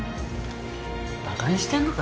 馬鹿にしてんのか？